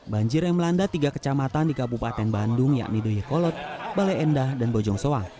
banjir yang melanda tiga kecamatan di kabupaten bandung yakni doyekolot bale endah dan bojong soang